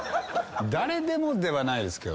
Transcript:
誰でもではないですけどね。